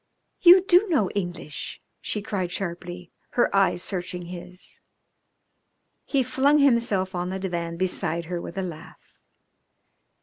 "You do know English?" she cried sharply, her eyes searching his. He flung himself on the divan beside her with a laugh.